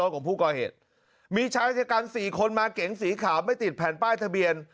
ของผู้ก่อเหตุมีชายชะกัน๔คนมาเก๋งสีขาวไม่ติดแผ่นป้ายทะเบียน